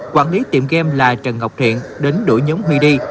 quản lý tiệm game là trần ngọc thiện đến đuổi nhóm huy đi